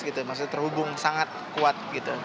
saya menggunakan kata kata yang sangat kuat